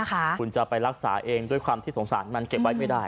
คุณจะไปรักษาเองด้วยความที่สงสารมันเก็บไว้ไม่ได้